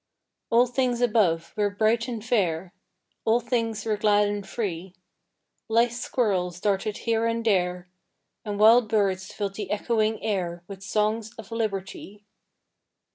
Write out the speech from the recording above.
All things above were bright and fair, All things were glad and free; Lithe squirrels darted here and there, And wild birds filled the echoing air With songs of Liberty!